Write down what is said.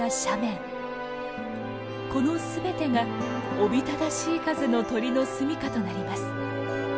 この全てがおびただしい数の鳥のすみかとなります。